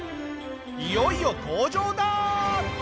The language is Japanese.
いよいよ登場だ！